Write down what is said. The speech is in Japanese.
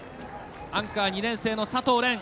アンカー、２年生の佐藤蓮。